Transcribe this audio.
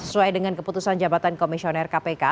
sesuai dengan keputusan jabatan komisioner kpk